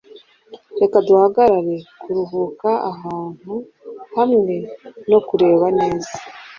Reka duhagarare kuruhuka ahantu hamwe no kureba neza.